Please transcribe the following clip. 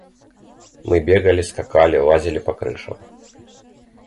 Мы бегали, скакали, лазили по крышам.